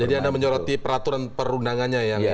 jadi anda menyoroti peraturan perundangannya ya